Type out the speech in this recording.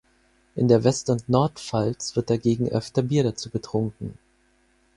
In der West- und Nordpfalz wird dagegen öfter Bier dazu getrunken.